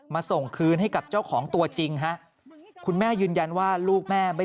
ส่งคืนให้กับเจ้าของตัวจริงฮะคุณแม่ยืนยันว่าลูกแม่ไม่